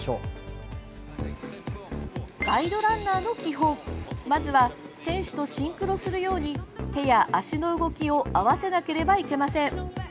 ガイドランナーの基本まずは選手とシンクロするように手や足の動きを合わせなければいけません。